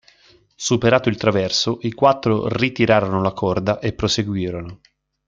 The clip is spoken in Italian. Superato il traverso i quattro ritirarono la corda e proseguirono.